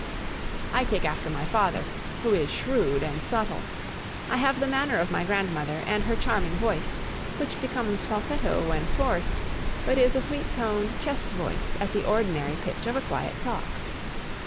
I take after my father, who is shrewd and subtle. I have the manner of my grandmother and her charming voice, which becomes falsetto when forced, but is a sweet toned chest voice at the ordinary pitch of a quiet talk.